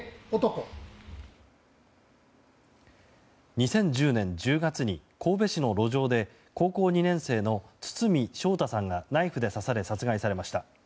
２０１０年１０月に神戸市の路上で高校２年生の堤将太さんがナイフで刺され殺害されました。